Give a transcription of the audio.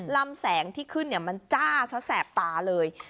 ลำแสงที่ขึ้นมันจ้าซะแสบตาเลย